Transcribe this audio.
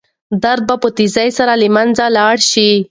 درد به په تېزۍ سره له منځه لاړ شي.